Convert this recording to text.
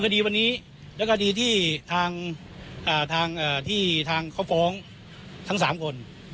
คดีวันนี้และคดีที่ทางอ่าทางเอ่อที่ทางเขาฟ้องทั้งสามคน